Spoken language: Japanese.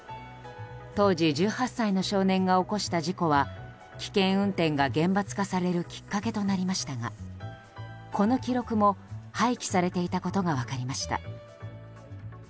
当時１８歳の少年が起こした事故は危険運転が厳罰化されるきっかけとなりましたがこの記録も廃棄されていたことが分かりました。